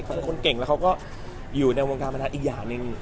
เขาเป็นคนเก่งแล้วเขาก็อยู่ในวงการพนันอีกอย่างหนึ่ง